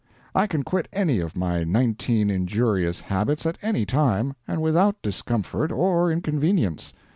I can quit any of my nineteen injurious habits at any time, and without discomfort or inconvenience.